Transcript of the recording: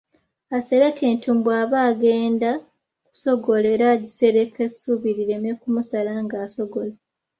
Asereka entumbwe aba agenda aba agenda kusogola era agisereka essubi lireme kumusala nga asogola.